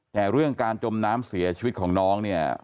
แต่เรื่องการจมน้ำเสียชีวิตของน้องเนี่ย